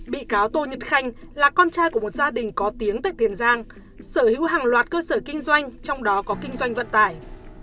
bị cáo tô nhật khanh là con trai của một gia đình có tiếng tại tiền giang sở hữu hàng loạt cơ sở kinh doanh trong đó có kinh doanh vận tải